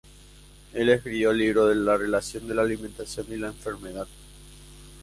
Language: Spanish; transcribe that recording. Él escribió el libro "La relación de Alimentación y la enfermedad".